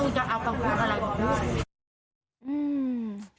วิจัยมันเอาไปพมุติอาวุธ